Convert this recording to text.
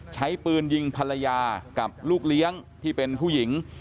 ใช้ปืนยิงภรรยากับลูกเลี้ยงที่เป็นผู้หญิง